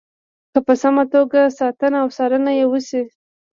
که په سمه توګه ساتنه او څارنه یې وشي.